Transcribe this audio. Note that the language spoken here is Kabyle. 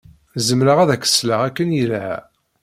Zemreɣ ad ak-sleɣ akken yelha.